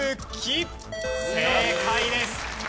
正解です。